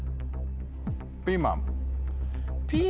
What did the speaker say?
ピーマン。